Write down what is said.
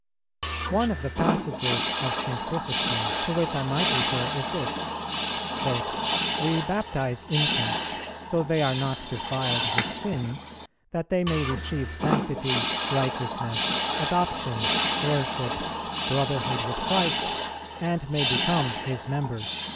_ One of the passages of St. Chrysostom to which I might refer is this, "We baptize infants, though they are not defiled with sin, that they may receive sanctity, righteousness, adoption, heirship, brotherhood with Christ, and may become His members."